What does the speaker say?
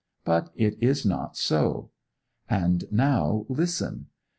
But it is not so. And now listen.